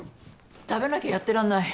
食べなきゃやってらんない。